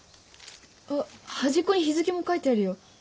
あっはじっこに日付も書いてあるよ。